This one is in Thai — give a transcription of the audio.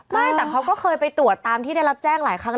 ไม่แต่เขาก็เคยไปตรวจตามที่ได้รับแจ้งหลายครั้ง